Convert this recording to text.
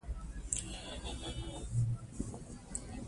نوې خړوبونه لږه اوبه کاروي.